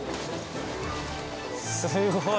すごい！